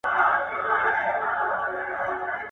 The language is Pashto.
• خوار که خداى کړې، دا بې غيرته چا کړې؟